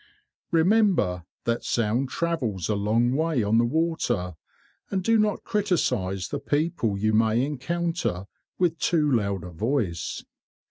Remember that sound travels a long way on the water, and do not criticise the people you may encounter with too loud a voice.